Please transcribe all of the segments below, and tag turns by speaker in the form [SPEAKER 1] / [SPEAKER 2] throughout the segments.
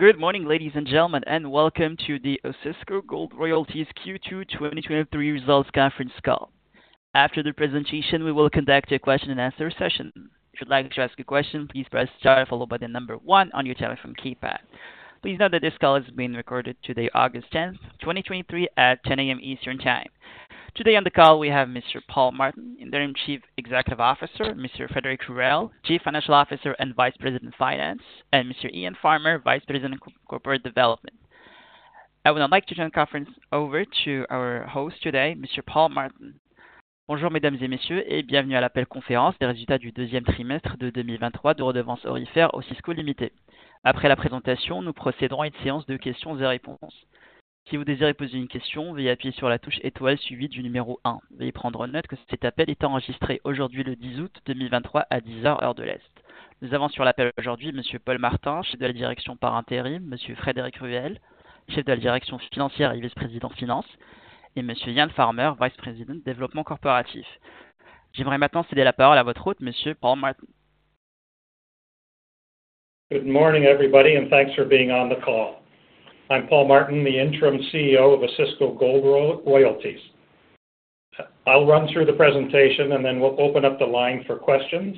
[SPEAKER 1] Good morning, ladies and gentlemen, and welcome to the Osisko Gold Royalties Q2 2023 Results Conference Call. After the presentation, we will conduct a question-and-answer session. If you'd like to ask a question, please press star followed by 1 on your telephone keypad. Please note that this call is being recorded today, August 10th, 2023 at 10:00 A.M. Eastern Time. Today on the call, we have Mr. Paul Martin, Interim Chief Executive Officer, Mr. Frédéric Ruel, Chief Financial Officer and Vice President of Finance, and Mr. Iain Farmer, Vice President of Corporate Development. I would now like to turn the conference over to our host today, Mr. Paul Martin.
[SPEAKER 2] Bonjour, mesdames et messieurs, et bienvenue à l'appel conférence des résultats du deuxième trimestre de 2023 de Redevances Aurifères Osisko Ltée. Après la présentation, nous procéderons à une séance de questions et réponses. Si vous désirez poser une question, veuillez appuyer sur la touche étoile suivie du numéro 1. Veuillez prendre note que cette appel est enregistrée aujourd'hui, le 10 août 2023, à 10:00, heure de l'Est. Nous avons sur l'appel aujourd'hui, Monsieur Paul Martin, chef de la direction par intérim, Monsieur Frédéric Ruel, chef de la direction financière et vice-président finances, et Monsieur Iain Farmer, vice-président développement corporatif. J'aimerais maintenant céder la parole à votre hôte, Monsieur Paul Martin.
[SPEAKER 3] Good morning, everybody, thanks for being on the call. I'm Paul Martin, the Interim Chief Executive Officer of Osisko Gold Royalties. I'll run through the presentation, then we'll open up the line for questions.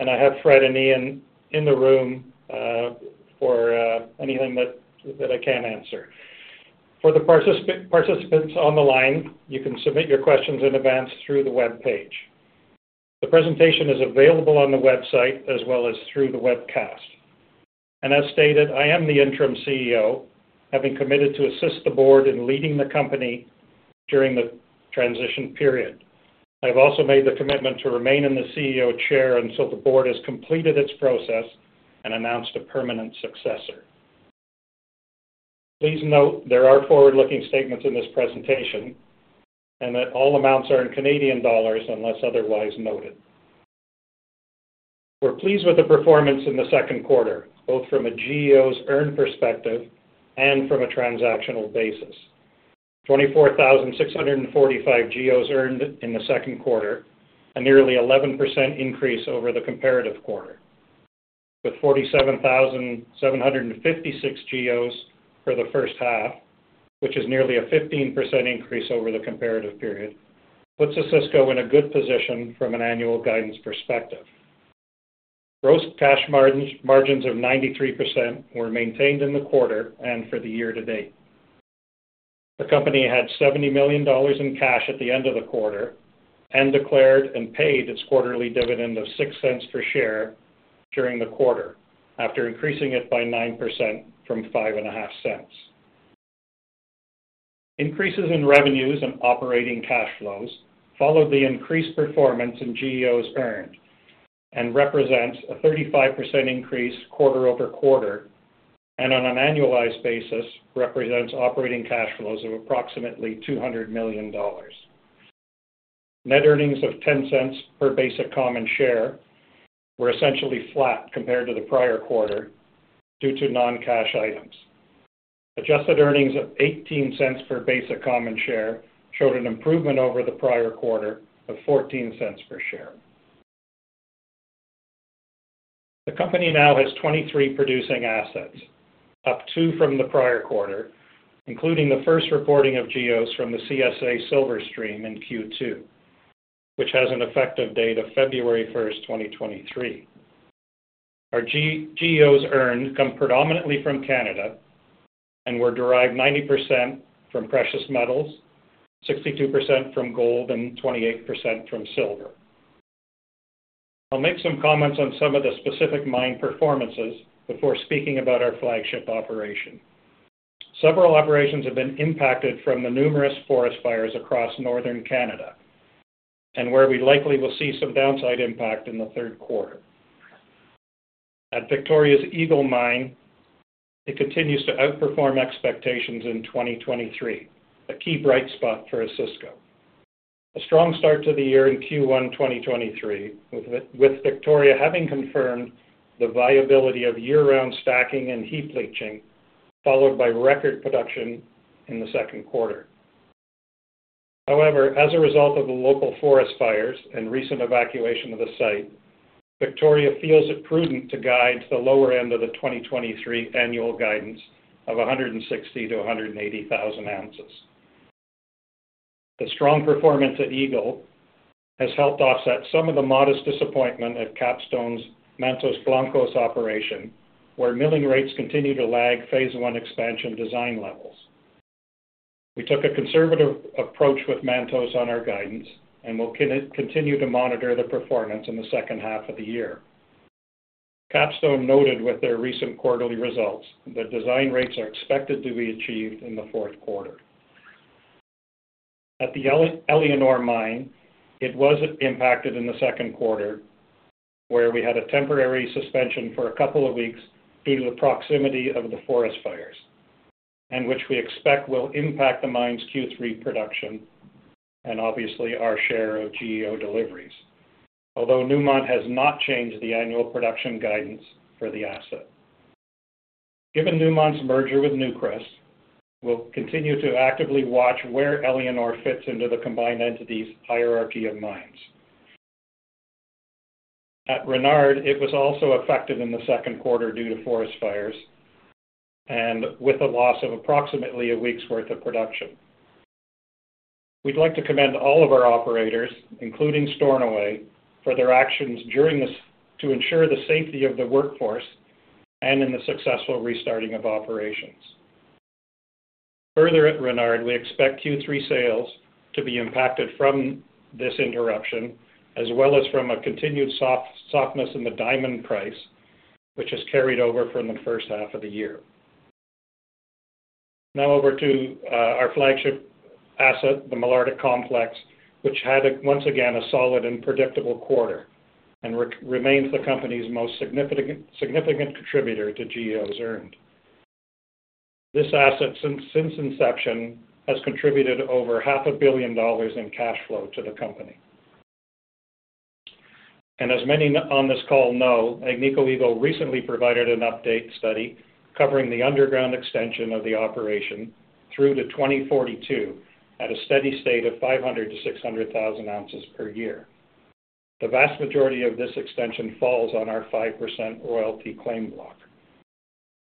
[SPEAKER 3] I have Fred and Ian in the room for anything that, that I can't answer. For the participants on the line, you can submit your questions in advance through the webpage. The presentation is available on the website as well as through the webcast. As stated, I am the Interim Chief Executive Officer, having committed to assist the board in leading the company during the transition period. I've also made the commitment to remain in the CEO chair until the board has completed its process and announced a permanent successor. Please note, there are forward-looking statements in this presentation, and that all amounts are in Canadian dollars unless otherwise noted. We're pleased with the performance in the second quarter, both from a GEOs earned perspective and from a transactional basis. 24,645 GEOs earned in the second quarter, a nearly 11% increase over the comparative quarter, with 47,756 GEOs for the first half, which is nearly a 15% increase over the comparative period, puts Osisko in a good position from an annual guidance perspective. Gross cash margins, margins of 93% were maintained in the quarter and for the year to date. The company had $70 million in cash at the end of the quarter and declared and paid its quarterly dividend of $0.06 per share during the quarter, after increasing it by 9% from $0.055. Increases in revenues and operating cash flows followed the increased performance in GEOs earned and represents a 35% increase quarter-over-quarter, and on an annualized basis, represents operating cash flows of approximately $200 million. Net earnings of $0.10 per basic common share were essentially flat compared to the prior quarter due to non-cash items. Adjusted earnings of $0.18 per basic common share showed an improvement over the prior quarter of $0.14 per share. The company now has 23 producing assets, up 2 from the prior quarter, including the first reporting of GEOs from the CSA Silver Stream in Q2, which has an effective date of February 1, 2023. Our GEOs earned come predominantly from Canada and were derived 90% from precious metals, 62% from gold, and 28% from silver. I'll make some comments on some of the specific mine performances before speaking about our flagship operation. Several operations have been impacted from the numerous forest fires across northern Canada and where we likely will see some downside impact in the third quarter. At Victoria's Eagle Mine, it continues to outperform expectations in 2023, a key bright spot for Osisko. A strong start to the year in Q1 2023, with Victoria having confirmed the viability of year-round stacking and heap leaching, followed by record production in the second quarter. As a result of the local forest fires and recent evacuation of the site, Victoria feels it prudent to guide the lower end of the 2023 annual guidance of 160,000-180,000 ounces. The strong performance at Eagle has helped offset some of the modest disappointment at Capstone's Mantos Blancos operation, where milling rates continue to lag phase 1 expansion design levels. We took a conservative approach with Mantos on our guidance and will continue to monitor the performance in the second half of the year. Capstone noted with their recent quarterly results that design rates are expected to be achieved in the fourth quarter. At the Éléonore Mine, it was impacted in the second quarter, where we had a temporary suspension for a couple of weeks due to the proximity of the forest fires, which we expect will impact the mine's Q3 production and obviously our share of GEO deliveries. Newmont has not changed the annual production guidance for the asset. Given Newmont's merger with Newcrest, we'll continue to actively watch where Éléonore fits into the combined entities hierarchy of mines. At Renard, it was also affected in the second quarter due to forest fires, and with a loss of approximately a week's worth of production. We'd like to commend all of our operators, including Stornoway, for their actions during this to ensure the safety of the workforce and in the successful restarting of operations. Further, at Renard, we expect Q3 sales to be impacted from this interruption, as well as from a continued softness in the diamond price, which has carried over from the first half of the year. Now over to our flagship asset, the Malartic Complex, which had, once again, a solid and predictable quarter and remains the company's most significant, significant contributor to GEOs earned. This asset, since inception, has contributed over $500 million in cash flow to the company. As many on this call know, Agnico Eagle recently provided an update study covering the underground extension of the operation through to 2042, at a steady state of 500,000-600,000 ounces per year. The vast majority of this extension falls on our 5% royalty claim block.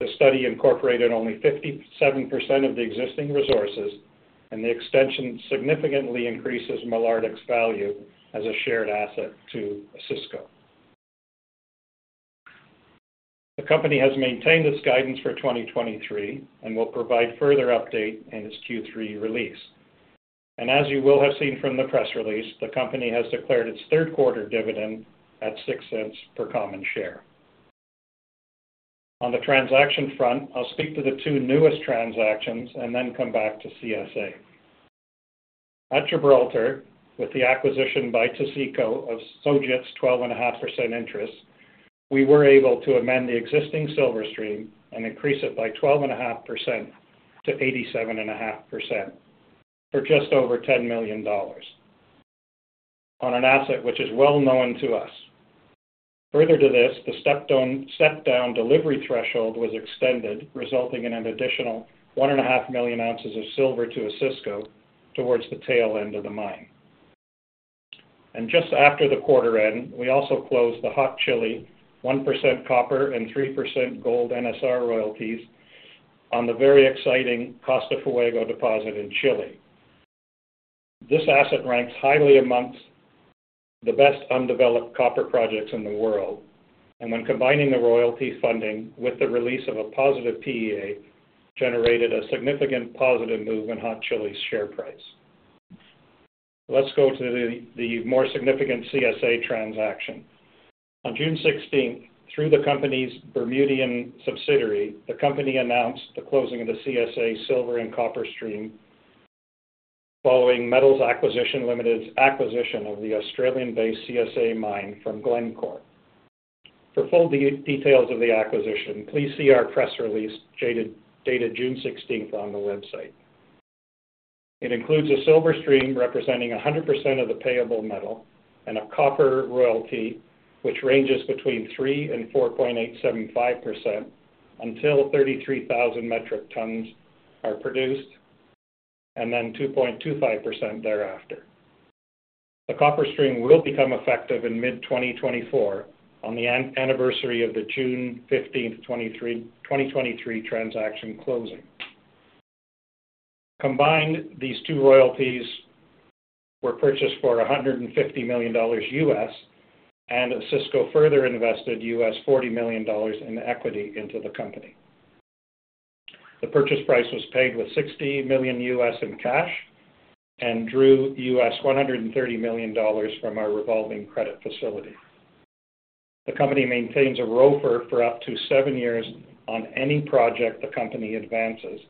[SPEAKER 3] The study incorporated only 57% of the existing resources, the extension significantly increases Malartic's value as a shared asset to Osisko. The company has maintained its guidance for 2023 and will provide further update in its Q3 release. As you will have seen from the press release, the company has declared its third quarter dividend at $0.06 per common share. On the transaction front, I'll speak to the 2 newest transactions and then come back to CSA. At Gibraltar, with the acquisition by Taseko Mines of Sojitz's 12.5% interest, we were able to amend the existing silver stream and increase it by 12.5% to 87.5%, for just over $10 million on an asset which is well known to us. Further to this, the step-down, step-down delivery threshold was extended, resulting in an additional 1.5 million ounces of silver to Osisko towards the tail end of the mine. Just after the quarter end, we also closed the Hot Chili, 1% copper and 3% gold NSR royalties on the very exciting Costa Fuego deposit in Chile. When combining the royalty funding with the release of a positive PEA, generated a significant positive move in Hot Chili's share price. Let's go to the more significant CSA transaction. On June 16th, through the company's Bermudian subsidiary, the company announced the closing of the CSA silver and copper stream following Metals Acquisition Limited's acquisition of the Australian-based CSA Mine from Glencore. For full details of the acquisition, please see our press release dated June 16th on the website. It includes a silver stream representing 100% of the payable metal and a copper royalty, which ranges between 3% and 4.875% until 33,000 metric tons are produced, and then 2.25% thereafter. The copper stream will become effective in mid-2024, on the anniversary of the June 15, 2023 transaction closing. Combined, these two royalties were purchased for $150 million, and Osisko further invested $40 million in equity into the company. The purchase price was paid with $60 million in cash and drew $130 million from our revolving credit facility. The company maintains a ROFR for up to 7 years on any project the company advances,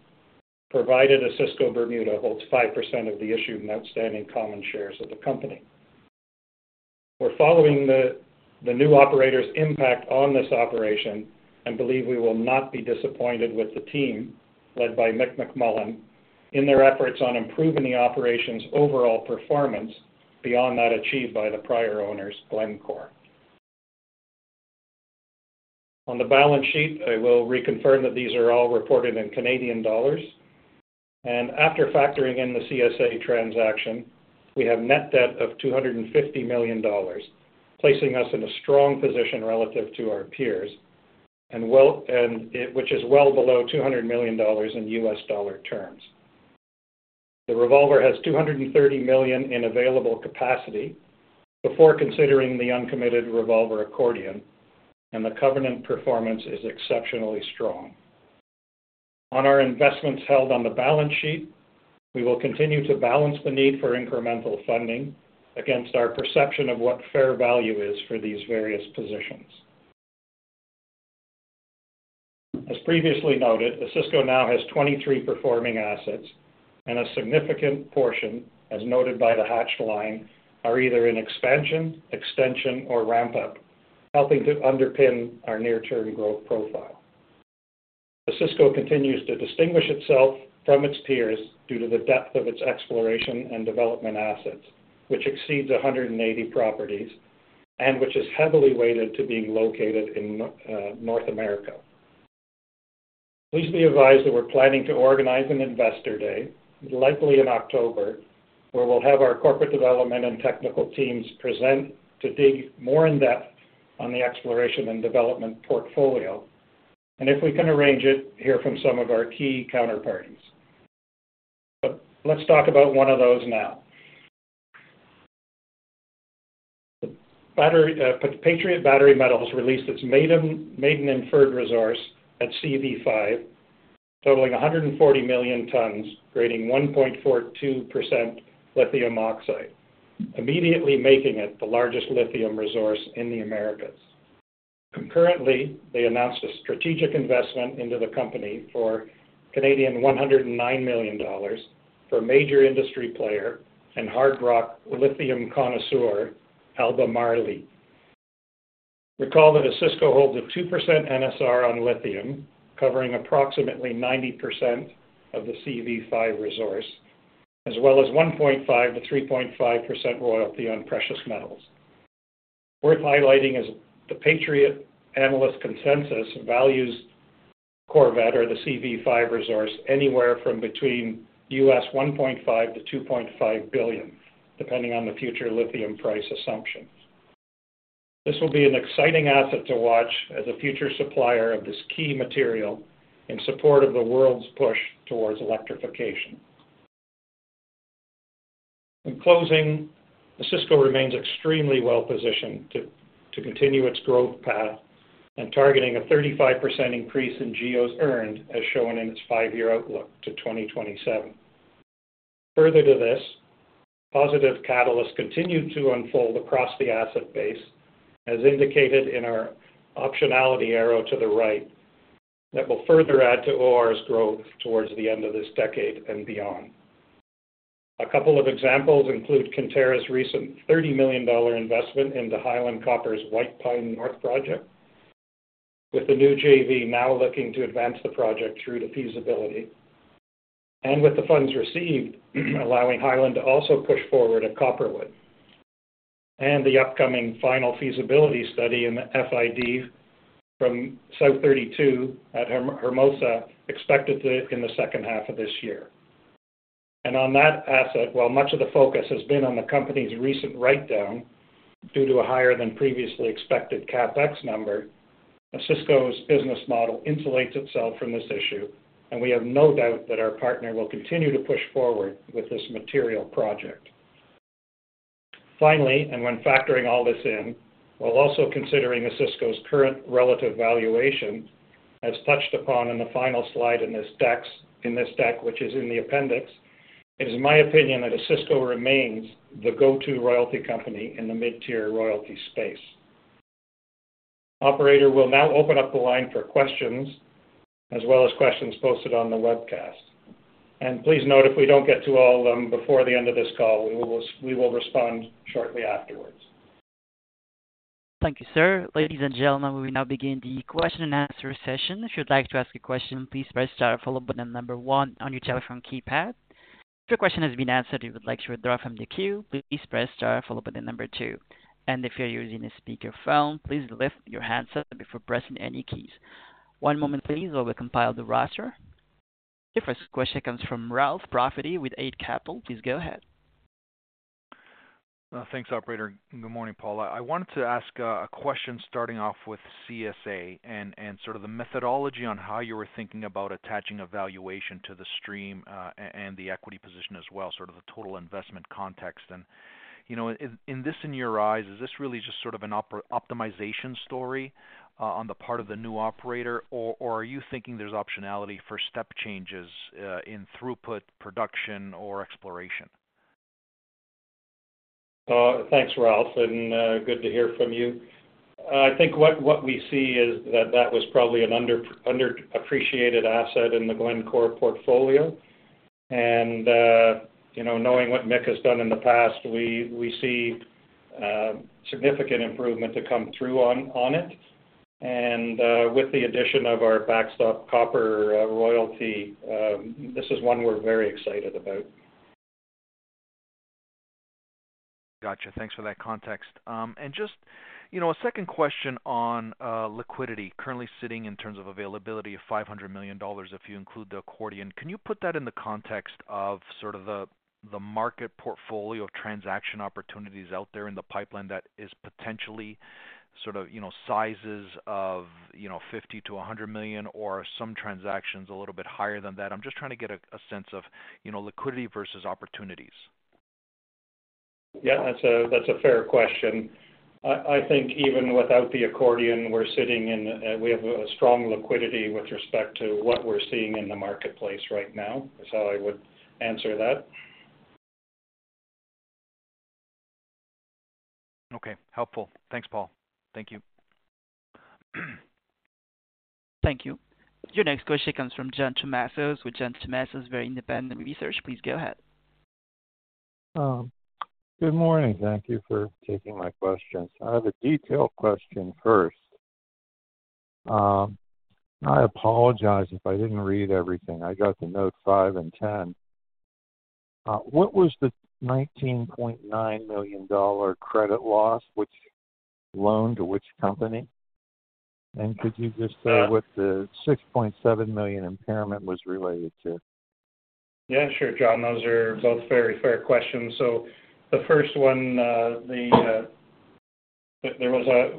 [SPEAKER 3] provided Osisko Bermuda holds 5% of the issued and outstanding common shares of the company. We're following the new operator's impact on this operation and believe we will not be disappointed with the team, led by Mick McMullen, in their efforts on improving the operation's overall performance beyond that achieved by the prior owners, Glencore. On the balance sheet, I will reconfirm that these are all reported in Canadian dollars. After factoring in the CSA transaction, we have net debt of 250 million dollars, placing us in a strong position relative to our peers, which is well below $200 million in US dollar terms. The revolver has 230 million in available capacity before considering the uncommitted revolver accordion. The covenant performance is exceptionally strong. On our investments held on the balance sheet, we will continue to balance the need for incremental funding against our perception of what fair value is for these various positions. As previously noted, Osisko now has 23 performing assets. A significant portion, as noted by the hatched line, are either in expansion, extension or ramp up, helping to underpin our near-term growth profile. Osisko continues to distinguish itself from its peers due to the depth of its exploration and development assets, which exceeds 180 properties and which is heavily weighted to being located in North America. Please be advised that we're planning to organize an investor day, likely in October, where we'll have our corporate development and technical teams present to dig more in depth on the exploration and development portfolio, and if we can arrange it, hear from some of our key counterparties. Let's talk about one of those now. Battery, Patriot Battery Metals released its maiden, maiden inferred resource at CV5, totaling 140 million tons, grading 1.42% lithium oxide, immediately making it the largest lithium resource in the Americas. Concurrently, they announced a strategic investment into the company for Canadian $109 million for major industry player and hard rock lithium connoisseur Albemarle. Recall that Osisko holds a 2% NSR on lithium, covering approximately 90% of the CV5 resource, as well as 1.5%-3.5% royalty on precious metals. Worth highlighting is the Patriot analyst consensus values Corvette or the CV5 resource anywhere from between $1.5 billion-$2.5 billion, depending on the future lithium price assumptions. This will be an exciting asset to watch as a future supplier of this key material in support of the world's push towards electrification. In closing, Osisko remains extremely well-positioned to continue its growth path and targeting a 35% increase in GEOs earned, as shown in its five-year outlook to 2027. Further to this, positive catalysts continue to unfold across the asset base, as indicated in our optionality arrow to the right, that will further add to OR's growth towards the end of this decade and beyond. A couple of examples include Kinterra's recent $30 million investment into Highland Copper's White Pine North Project, with the new JV now looking to advance the Project through to feasibility. With the funds received, allowing Highland to also push forward at Copperwood. The upcoming final feasibility study in the FID from South32 at Hermosa, expected in the second half of this year. On that asset, while much of the focus has been on the company's recent write-down due to a higher than previously expected CapEx number, Osisko's business model insulates itself from this issue, and we have no doubt that our partner will continue to push forward with this material project. Finally, when factoring all this in, while also considering Osisko's current relative valuation, as touched upon in the final slide in this deck, which is in the appendix, it is my opinion that Osisko remains the go-to royalty company in the mid-tier royalty space. Operator, we'll now open up the line for questions, as well as questions posted on the webcast. Please note, if we don't get to all of them before the end of this call, we will respond shortly afterwards.
[SPEAKER 1] Thank you, sir. Ladies and gentlemen, we now begin the question-and-answer session. If you'd like to ask a question, please press star followed by 1 on your telephone keypad. If your question has been answered, you would like to withdraw from the queue, please press star followed by 2. If you're using a speakerphone, please lift your handset before pressing any keys. One moment please, while we compile the roster. The first question comes from Ralph M. Profiti with Eight Capital. Please go ahead.
[SPEAKER 4] Thanks, operator. Good morning, Paul. I wanted to ask a question starting off with CSA and sort of the methodology on how you were thinking about attaching a valuation to the stream and the equity position as well, sort of the total investment context. You know, in this in your eyes, is this really just sort of an optimization story on the part of the new operator, or are you thinking there's optionality for step changes in throughput, production, or exploration?
[SPEAKER 3] Thanks, Ralph, and good to hear from you. I think what, what we see is that that was probably an underappreciated asset in the Glencore portfolio. You know, knowing what Mick has done in the past, we, we see significant improvement to come through on, on it. With the addition of our backstop copper royalty, this is one we're very excited about.
[SPEAKER 4] Gotcha. Thanks for that context. Just, you know, a second question on liquidity. Currently sitting in terms of availability of $500 million, if you include the accordion. Can you put that in the context of sort of the, the market portfolio transaction opportunities out there in the pipeline that is potentially sort of, you know, sizes of, you know, $50 million-$100 million or some transactions a little bit higher than that? I'm just trying to get a, a sense of, you know, liquidity versus opportunities.
[SPEAKER 3] Yeah, that's a, that's a fair question. I think even without the accordion, we're sitting in... We have a strong liquidity with respect to what we're seeing in the marketplace right now, is how I would answer that.
[SPEAKER 4] Okay, helpful. Thanks, Paul. Thank you.
[SPEAKER 1] Thank you. Your next question comes from John Tumazos, with John Tumazos Very Independent Research. Please go ahead.
[SPEAKER 5] Good morning. Thank you for taking my questions. I have a detailed question first. I apologize if I didn't read everything. I got the note 5 and 10. What was the $19.9 million credit loss? Which loan to which company? Could you just say what the $6.7 million impairment was related to?
[SPEAKER 3] Yeah, sure, John, those are both very fair questions. The first one,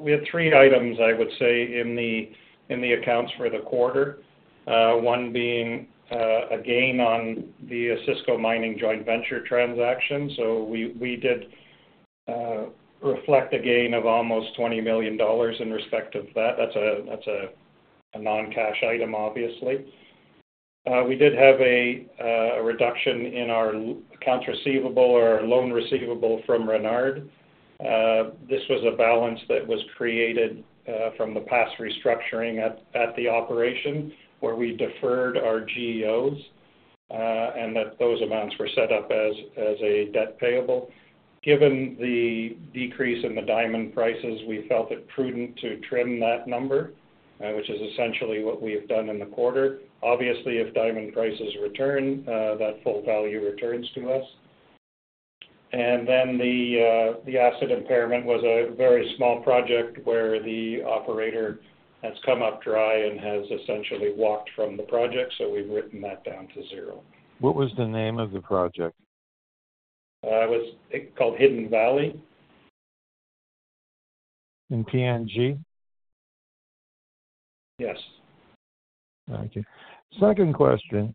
[SPEAKER 3] We had 3 items, I would say, in the accounts for the quarter. One being a gain on the Osisko Mining joint venture transaction. We did reflect a gain of almost $20 million in respect of that. That's a non-cash item, obviously. We did have a reduction in our accounts receivable or loan receivable from Renard. This was a balance that was created from the past restructuring at the operation, where we deferred our GEOs, and that those amounts were set up as a debt payable. Given the decrease in the diamond prices, we felt it prudent to trim that number, which is essentially what we have done in the quarter. Obviously, if diamond prices return, that full value returns to us. Then the, the asset impairment was a very small project where the operator has come up dry and has essentially walked from the project. We've written that down to zero.
[SPEAKER 5] What was the name of the project?
[SPEAKER 3] it was called Hidden Valley.
[SPEAKER 5] In PNG?
[SPEAKER 3] Yes.
[SPEAKER 5] Thank you. Second question.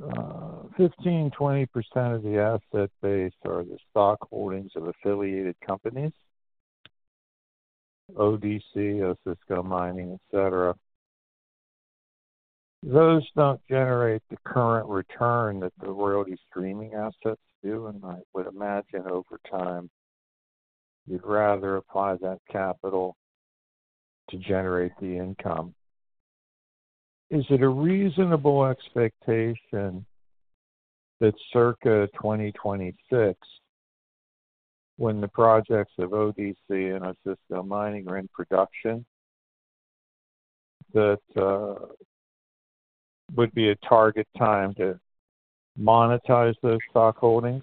[SPEAKER 5] 15%-20% of the asset base are the stock holdings of affiliated companies, ODC, Osisko Mining, et cetera. Those don't generate the current return that the royalty streaming assets do, and I would imagine over time, you'd rather apply that capital to generate the income. Is it a reasonable expectation that circa 2026, when the projects of ODC and Osisko Mining are in production, that would be a target time to monetize those stock holdings?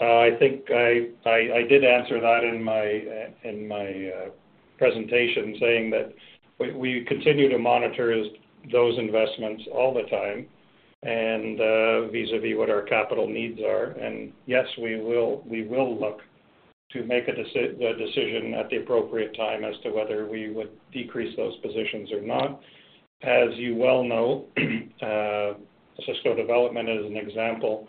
[SPEAKER 3] I think I, I, I did answer that in my in my presentation, saying that we, we continue to monitor those investments all the time and vis-a-vis what our capital needs are. Yes, we will, we will look to make a decision at the appropriate time as to whether we would decrease those positions or not. As you well know, Osisko Development, as an example,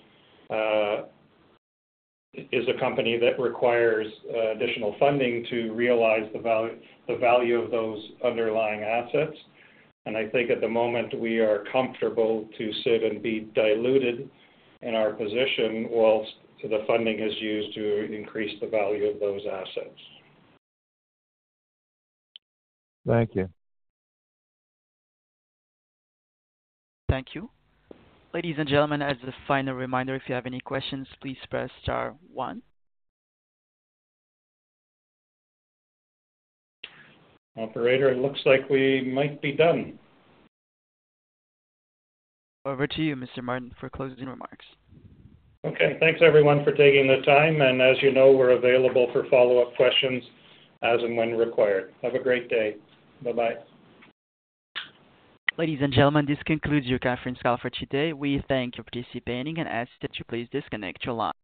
[SPEAKER 3] is a company that requires additional funding to realize the value, the value of those underlying assets. I think at the moment we are comfortable to sit and be diluted in our position whilst the funding is used to increase the value of those assets.
[SPEAKER 5] Thank you.
[SPEAKER 1] Thank you. Ladies and gentlemen, as a final reminder, if you have any questions, please press star one.
[SPEAKER 3] Operator, it looks like we might be done.
[SPEAKER 1] Over to you, Mr. Martin, for closing remarks.
[SPEAKER 3] Okay. Thanks, everyone, for taking the time, and as you know, we're available for follow-up questions as and when required. Have a great day. Bye-bye.
[SPEAKER 1] Ladies and gentlemen, this concludes your conference call for today. We thank you for participating and ask that you please disconnect your line.